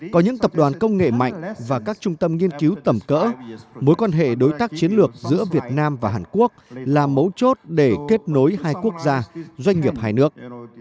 có những tập đoàn công nghệ mạnh và các trung tâm nghiên cứu tầm cỡ mối quan hệ đối tác chiến lược giữa việt nam và hàn quốc là mấu chốt để kết nối hai quốc gia doanh nghiệp hai nước